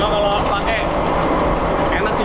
kalau pakai enak sih